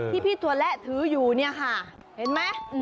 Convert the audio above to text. ที่พี่ตัวและถืออยู่เนี่ยค่ะเห็นไหม